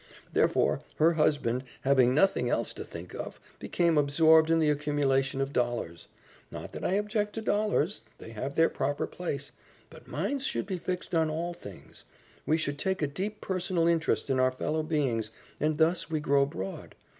Therefore, her husband, having nothing else to think of, became absorbed in the accumulation of dollars. Not that I object to dollars they have their proper place, but minds should be fixed on all things. We should take a deep personal interest in our fellow beings, and thus we grow broad.